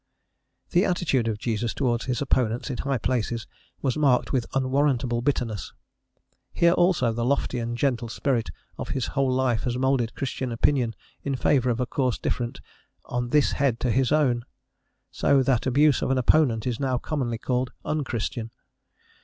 The attitude of Jesus towards his opponents in high places was marked with unwarrantable bitterness. Here also the lofty and gentle spirit of his whole life has moulded Christian opinion in favour of a course different on this head to his own, so that abuse of an opponent is now commonly called un Christian.